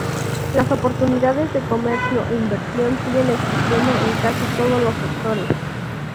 Las oportunidades de comercio e inversión siguen existiendo en casi todos los sectores.